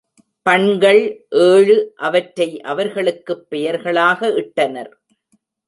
பண்கள் ஏழு அவற்றை அவர்களுக்குப் பெயர்களாக இட்டனர்.